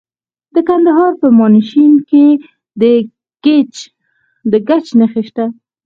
د کندهار په میانشین کې د ګچ نښې شته.